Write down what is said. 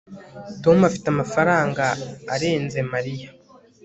tom afite amafaranga arenze mariya